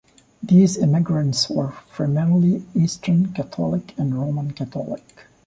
These immigrants were primarily Eastern Catholic and Roman Catholic.